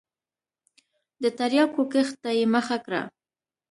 د تریاکو کښت ته یې مخه کړه.